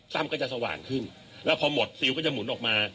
ต้ำกันจะสว่างขึ้นแล้วพอหมดจะหมุนออกมา